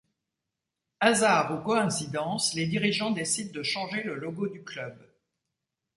Hasard ou coïncidence, les dirigeants décident de changer le logo du club.